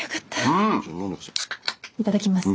いただきます。